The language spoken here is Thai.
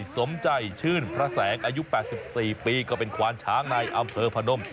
สมใจชื่นพระแสงอายุ๘๔ปีก็เป็นควานช้างในอำเภอพนม